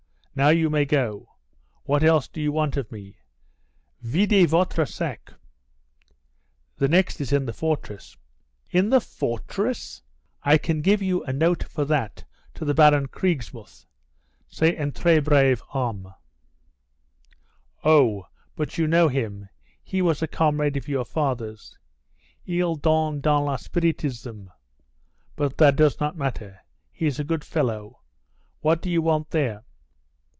Now you may go. What else do you want of me? Videz votre sac." "The next is in the fortress." "In the fortress? I can give you a note for that to the Baron Kriegsmuth. Cest un tres brave homme. Oh, but you know him; he was a comrade of your father's. Il donne dans le spiritisme. But that does not matter, he is a good fellow. What do you want there?"